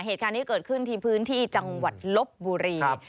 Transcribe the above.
เหตุการณ์นี้เกิดขึ้นที่พื้นที่จังหวัดลบบุรี